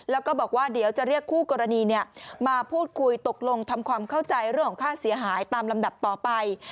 แล้วก็บอกว่าเดี๋ยวจะเรียกคู่กรณีมาพูดคุยตกลงทำความเข้าใจเรื่องของค่าเสียหายตามลำดับต่อไป